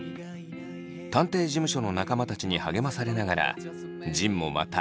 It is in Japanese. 探偵事務所の仲間たちに励まされながら仁もまた成長していきます。